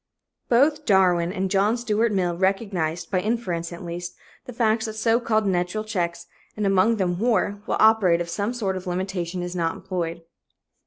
Both Darwin and John Stuart Mill recognized, by inference at least, the fact that so called "natural checks" and among them war will operate if some sort of limitation is not employed.